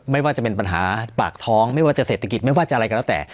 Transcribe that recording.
ไม่ว่าจะเป็นปัญหาปากท้องไม่ว่าจะเศรษฐกิจไม่ว่าจะอะไรก็แล้วแต่